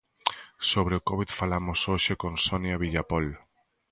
Sobre a Covid falamos hoxe con Sonia Villapol.